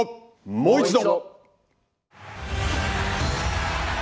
もう一度！